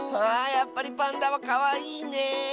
やっぱりパンダはかわいいね。